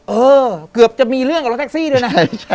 เออเกือบจะมีเรื่องกับรถแท็กซี่ด้วยนะ